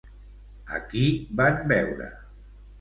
A qui van veure?